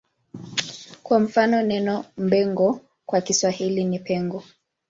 Kwa mfano neno Mbengo kwa Kiswahili ni Pengo